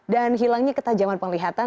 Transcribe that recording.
dan hilangnya ketajaman penglihatan